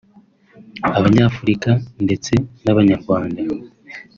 Abanyafurika ndeste n’Abanyarwanda